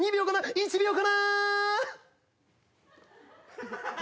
１秒かもな。